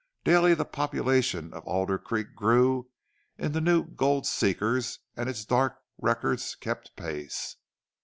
Daily the population of Alder Creek grew in the new gold seekers and its dark records kept pace.